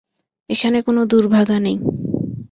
এখানে কোনো দুর্ভাগা নেই।